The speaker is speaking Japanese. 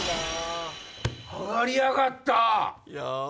上がりやがった。